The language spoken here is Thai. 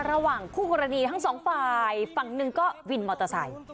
ระหว่างคู่กรณีทั้งสองฝ่ายฝั่งหนึ่งก็วินมอเตอร์ไซค์